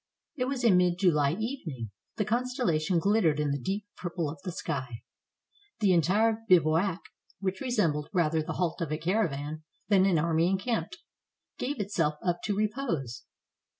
It was a mild July evening; the constellation glittered in the deep purple of the sky. The entire bivouac, which resembled rather the halt of a caravan than an army encamped, gave itself up to repose.